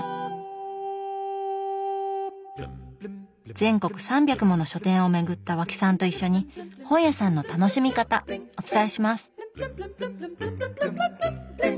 全国３００もの書店を巡った和氣さんと一緒に本屋さんの楽しみ方お伝えします！